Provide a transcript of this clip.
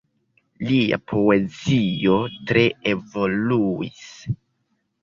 Lia poezio tre evoluis.